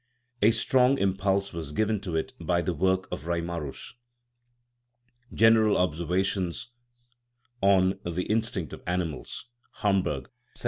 A strong impulse was given to it by the work of Reimarus :" General observations on the in stincts of animals " (Hamburg, 1760).